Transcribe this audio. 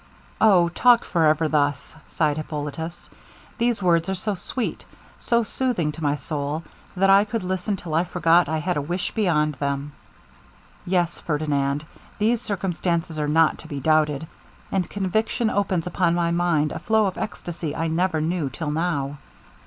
'O! talk for ever thus!' sighed Hippolitus. 'These words are so sweet, so soothing to my soul, that I could listen till I forgot I had a wish beyond them. Yes! Ferdinand, these circumstances are not to be doubted, and conviction opens upon my mind a flow of extacy I never knew till now.